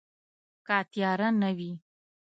که تیاره نه وي